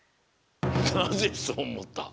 なぜそうおもった？